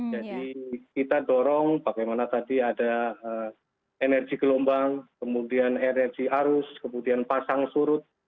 jadi kita dorong bagaimana tadi ada energi gelombang kemudian energi arus kemudian pasang surut